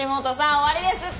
終わりですって！